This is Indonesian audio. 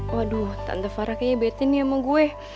waduh tante farah kayaknya betin nih emang gue